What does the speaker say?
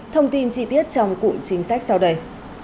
thông tin chi tiết trong cụ chính sách sau đây